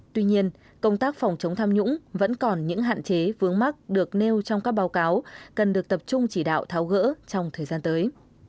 tuy nhiên công tác phòng chống tham nhũng vẫn còn những hạn chế vướng mắt được nêu trong các báo cáo cần được tập trung chỉ đạo tháo gỡ trong thời gian tới